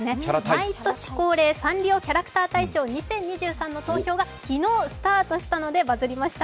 毎年恒例サンリオキャラクター大賞が投票が昨日、スタートしたのでバズりました。